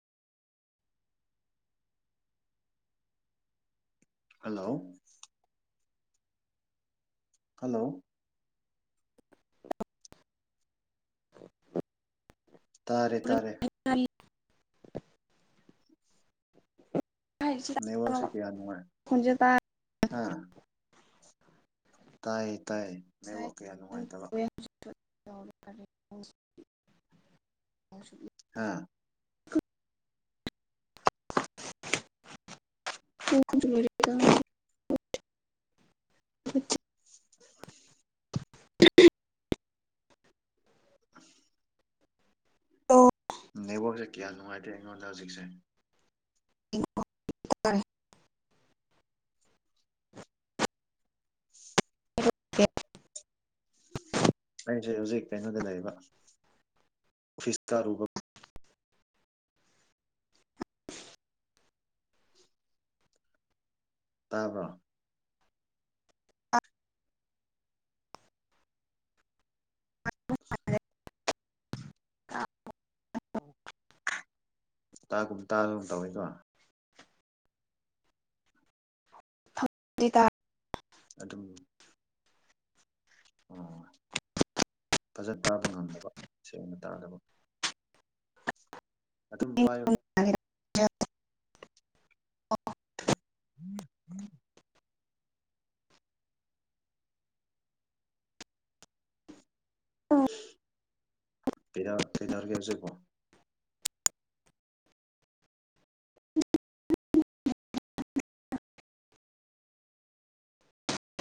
hello hello ꯑ ꯇꯥꯔꯦ ꯇꯥꯔꯦ [unintelligible] ꯅꯕꯣ ꯍꯧꯁꯤꯦ ꯀ ꯌꯥꯅꯨꯡꯉꯥꯏ ꯍꯥꯥ ꯇꯥꯏ ꯇꯥꯏ ꯅꯕꯨ ꯀꯌꯥ ꯅꯨꯡꯉꯥꯏꯇꯕ [unintelligible] [inaudible] ꯍꯥꯥ ꯍꯦꯗ [unintelligible] [inaudible] ꯑ [unintelligible] [inaudible] [unintelligible] [inaudible] ꯍ [unintelligible] [inaudible] ꯑ [unintelligible] [inaudible] ꯅꯦꯠꯋꯥꯛꯁꯦ ꯀꯌꯥ ꯅꯨꯡꯉꯥꯏꯇꯦ ꯑꯩꯉꯣꯟꯗ ꯍꯧꯖꯤꯛꯁꯦ ꯔꯦ [unintelligible] [inaudible] ꯑꯩꯁꯦ ꯍꯧꯖꯤꯛ ꯀꯩꯅꯣꯗ ꯂꯩꯕ ꯑꯣꯐꯤꯁ ꯀꯥꯔꯨꯕ ꯇꯥꯕ꯭ꯔꯣ ꯑ [unintelligible] [inaudible] ꯎꯝ [unintelligible] [inaudible] ꯒꯨꯝ ꯇꯥꯁꯨꯨ ꯇꯧꯋꯗꯣ ꯇ [unintelligible] [inaudible] ꯑꯗꯨ ꯑꯣ ꯐꯖ ꯇꯥꯕ ꯉꯝꯗꯕ ꯁꯦꯡꯅ ꯇꯥꯗꯕ ꯑꯗꯨꯝ ꯄꯥꯏꯌꯨ ꯑ [unintelligible] [inaudible] ꯎꯝ ꯎꯝ [unintelligible] [inaudible] ꯀꯩꯗ ꯀꯩꯗꯔ ꯀꯌꯥꯁꯦꯀꯣ